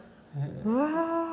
うわ。